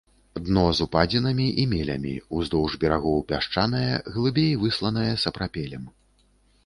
Дно з упадзінамі і мелямі, уздоўж берагоў пясчанае, глыбей высланае сапрапелем.